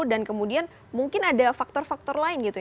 dan kemudian mungkin ada faktor faktor lain gitu ya